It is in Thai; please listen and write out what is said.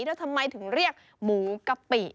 แล้วทำไมถึงเรียกหมูกะปิ